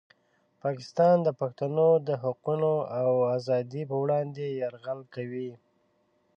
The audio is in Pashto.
پاکستان د پښتنو د حقونو او ازادۍ په وړاندې یرغل کوي.